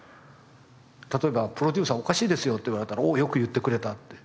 例えば「プロデューサーおかしいですよ」って言われたら「おおよく言ってくれた」って。